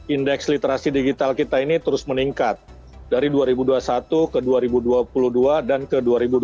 indeks literasi digital kita ini terus meningkat dari dua ribu dua puluh satu ke dua ribu dua puluh dua dan ke dua ribu dua puluh